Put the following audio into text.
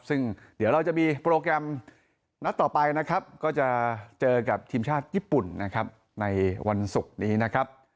ซึ่งเดี๋ยวเราจะมีโปรแกรมนัดต่อไปนะครับก็จะเจอกับทีมชาติญี่ปุ่นนะครับในวันศุกร์นี้นะครับ